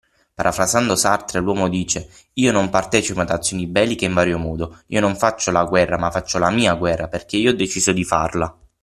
Parafrasando Sartre l'uomo dice: ”io non partecipo ad azioni belliche in vario modo, io non faccio la guerra ma faccio la mia guerra perché io ho deciso di farla”.